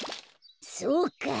そうか。